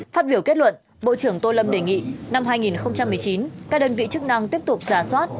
phát biểu kết luận bộ trưởng tô lâm đề nghị năm hai nghìn một mươi chín các đơn vị chức năng tiếp tục giả soát